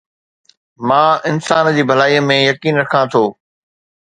مان انسان جي ڀلائي ۾ يقين رکان ٿو